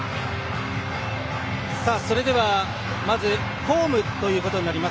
それではまずホームということになります。